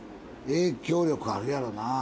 影響力あるやろなぁ。